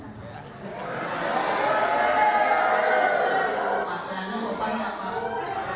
apakah ada saksi bawa mou